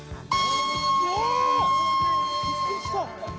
うわ！びっくりした。